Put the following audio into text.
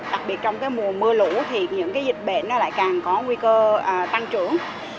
đặc biệt trong mùa mưa lũ thì những cái dịch bệnh lại càng có nguy cơ tăng trưởng